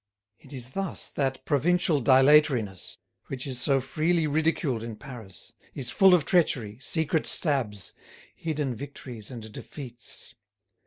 It is thus that provincial dilatoriness, which is so freely ridiculed in Paris, is full of treachery, secret stabs, hidden victories and defeats.